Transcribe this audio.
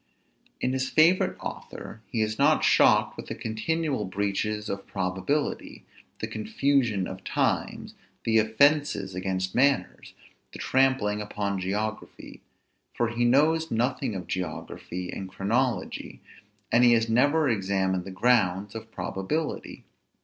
In his favorite author he is not shocked with the continual breaches of probability, the confusion of times, the offences against manners, the trampling upon geography; for he knows nothing of geography and chronology, and he has never examined the grounds of probability.